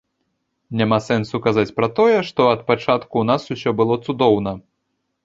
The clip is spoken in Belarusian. Няма сэнсу казаць пра тое, што ад пачатку ў нас усё было цудоўна.